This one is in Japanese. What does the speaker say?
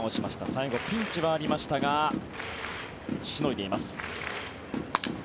最後、ピンチはありましたがしのいでいます。